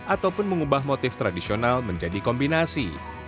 ataupun mengubah motif tradisional menjadi kombinasi